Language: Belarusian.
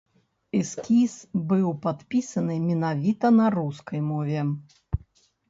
Эскіз быў падпісаны менавіта на рускай мове.